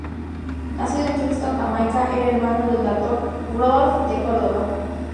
Nacido en Kingston, Jamaica, era hermano del actor Rudolph de Cordova.